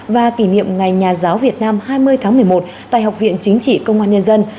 và kỷ niệm ngày nhà giáo việt nam hai mươi tháng một mươi một tại học viện chính trị công an nhân dân